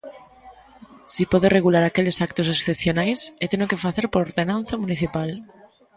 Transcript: Si pode regular aqueles actos excepcionais, e teno que facer por ordenanza municipal.